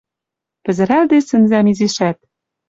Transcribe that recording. Пӹзӹрӓлде сӹнзӓм изишӓт.